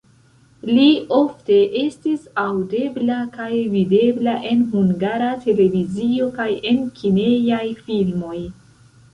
Li ofte estis aŭdebla kaj videbla en Hungara Televizio kaj en kinejaj filmoj.